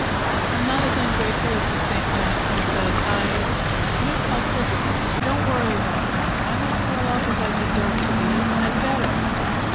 "I'm not as ungrateful as you think, Max," he said. "I you've helped a lot. Don't worry about me. I'm as well off as I deserve to be, and better.